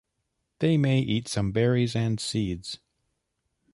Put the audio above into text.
They may eat some berries and seeds.